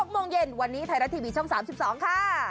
๖โมงเย็นวันนี้ไทยรัฐทีวีช่อง๓๒ค่ะ